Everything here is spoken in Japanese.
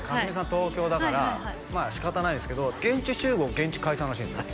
東京だからまあ仕方ないですけど現地集合現地解散らしいんですよ